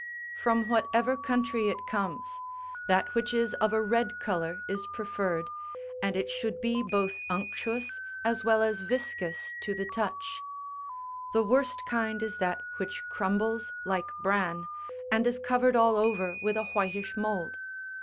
From whatever country it comes, that which is of a red colour is preferred, and it should be both unctuous as well as viscous to the touch ; the worst kind is that which crumbles like bran, and is covered all over with a whitish mould.